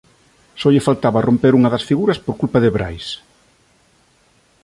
Só lle faltaba romper unha das figuras por culpa de Brais.